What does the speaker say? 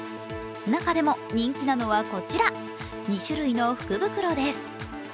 中でも人気なのはこちら、２種類の福袋です。